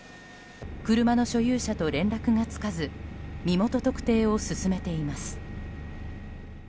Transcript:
車の所有者と連絡がつかず身元特定を進めています。